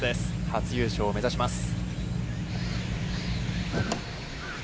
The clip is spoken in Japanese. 初優勝を目指します。